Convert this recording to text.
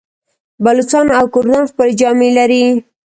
بلوڅان او کردان خپلې جامې لري.